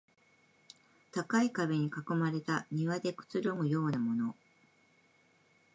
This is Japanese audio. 高い壁に囲まれた庭でくつろぐようなもの